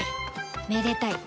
めでたい